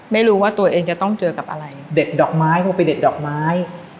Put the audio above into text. ไม่รู้ว่าตัวเองจะต้องเจอกับอะไรเด็ดดอกไม้คงไปเด็ดดอกไม้